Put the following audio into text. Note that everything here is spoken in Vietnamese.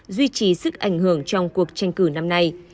duy trì sức ảnh hưởng trong cuộc tranh cử năm nay